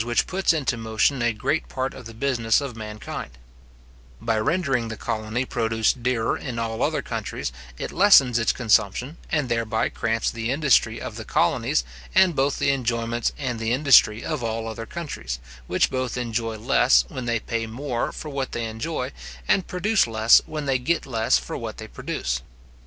By rendering the colony produce dearer in all other countries, it lessens its consumption, and thereby cramps the industry of the colonies, and both the enjoyments and the industry of all other countries, which both enjoy less when they pay more for what they enjoy, and produce less when they get less for what they produce.